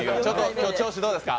今日の調子はどうですか？